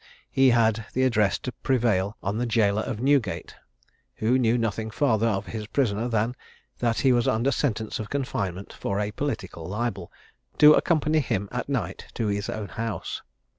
He had the address to prevail on the jailer of Newgate, who knew nothing farther of his prisoner than that he was under sentence of confinement for a political libel, to accompany him at night to his own house.